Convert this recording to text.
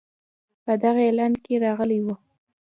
په دغه اعلان کې راغلی وو.